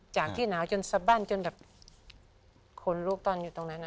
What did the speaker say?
จากที่หนาวจนสบั้นจนแบบคนลูกตอนอยู่ตรงนั้น